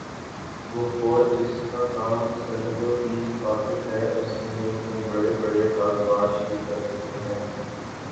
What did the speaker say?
وہ فوج جس کا کام سرحدوں کی حفاظت ہے اس نے ملک میں بڑے بڑے کاروبار شروع کر رکھے ہیں